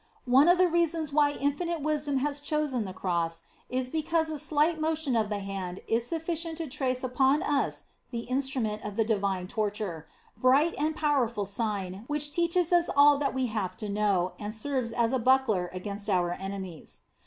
"One of the reasons why Infinite Wisdom has chosen the Cross, is because a slight motion of the hand is sufficient to trace upon us the instrument of the divine torture: bright and powerful Sign, which teaches us all that we have to know, and serves as a buckler against our enemies."